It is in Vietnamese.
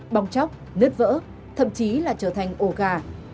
bóng chóc nứt vỡ thậm chí là trở thành ồ gà